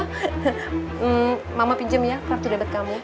hmm mama pinjam ya kartu debat kamu